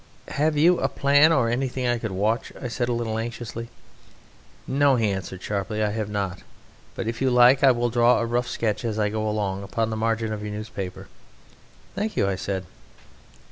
"Have you a plan or anything I could watch?" said I a little anxiously. "No," he answered sharply, "I have not, but if you like I will draw a rough sketch as I go along upon the margin of your newspaper." "Thank you," I said.